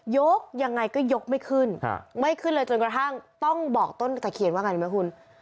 ยกยังไงก็ยกไม่ขึ้นไม่ขึ้นเลยจนกระทั่งต้องบอกต้นตะเคียนว่าไงรู้ไหมคุณ